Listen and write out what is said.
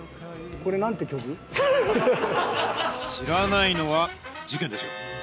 知らないのは事件です